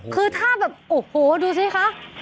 คือถ้าแบบโอ้โหดูสิคะ